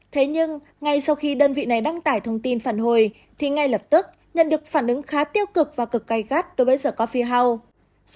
thế nhưng ngay sau khi đơn vị này đăng tải thông tin phản hồi thì ngay lập tức nhận được phản ứng khá tiêu cực và cực cay gắt đối với the coffee house